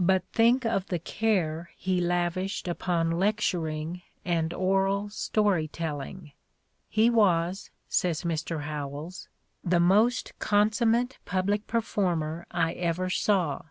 But think of the care '\ he lavished upon lecturing and oral story telling! He 'was, says Mr. Howells, "the most consummate public performer I ever saw.